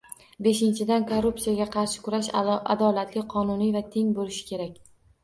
Beshinchidan, korrupsiyaga qarshi kurash adolatli, qonuniy va teng bo'lishi kerak